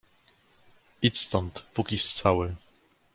"Idź stąd, pókiś cały!"